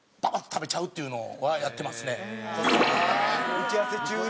打ち合わせ中に？